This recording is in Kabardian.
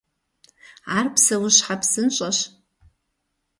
Ар псэущхьэ псынщӏэщ.